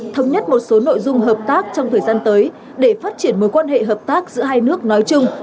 thống nhất một số nội dung hợp tác trong thời gian tới để phát triển mối quan hệ hợp tác giữa hai nước nói chung